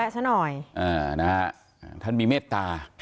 แล้วอันนี้ก็เปิดแล้ว